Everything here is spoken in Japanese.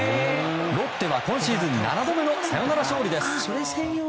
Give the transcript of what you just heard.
ロッテは今シーズン７度目のサヨナラ勝利です。